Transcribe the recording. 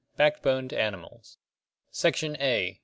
Back boned animals. Section A.